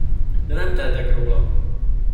De nem tehetek róla!